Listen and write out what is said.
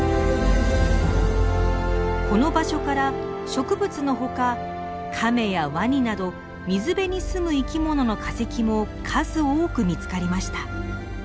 この場所から植物のほかカメやワニなど水辺に住む生き物の化石も数多く見つかりました。